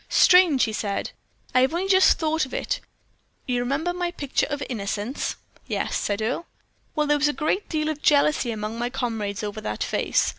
"Strange!" he said. "I have only just thought of it. You remember my picture of 'Innocence?'" "Yes," said Earle. "Well, there was a great deal of jealousy among my comrades over that face.